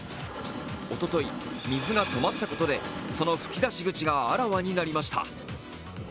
おととい、水が止まったことでその噴き出し口があらわになりました。